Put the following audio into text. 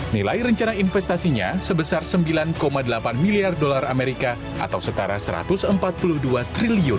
nilai rencana investasinya sebesar sembilan delapan miliar dolar amerika atau setara rp satu ratus empat puluh dua triliun